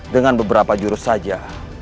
dengan beberapa jurus saja